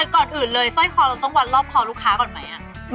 ก่อนอื่นซอยคอเราต้องวันรอบของลูกค้าก่อนไหม